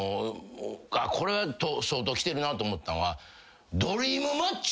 これは相当きてるなと思ったのは。